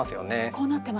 こうなってます。